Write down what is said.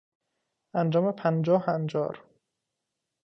انجام پنجاه هنجار